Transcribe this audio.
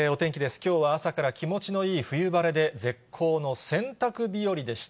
きょうは朝から気持ちのいい冬晴れで、絶好の洗濯日和でした。